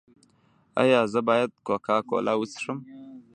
ایا زه باید کوکا کولا وڅښم؟